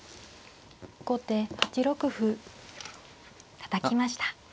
後手８六歩。たたきました。